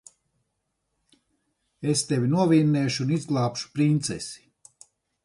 Es tevi novinnēšu un izglābšu princesi.